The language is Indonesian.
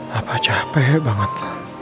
papa capek banget